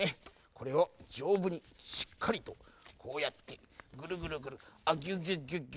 これをじょうぶにしっかりとこうやってぐるぐるぐるギュッギュッギュッっと。